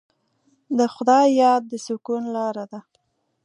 د خدای یاد د سکون لاره ده.